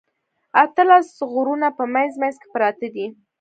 اتلس غرونه په منځ منځ کې پراته دي.